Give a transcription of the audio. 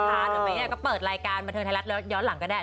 เดี๋ยวไหมเนี่ยก็เปิดรายการบรรเทิงไทยรัฐย้อนหลังก็ได้